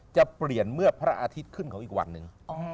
จะเปลี่ยนเมื่อพระอาทิตย์ขึ้นของอีกวันหนึ่ง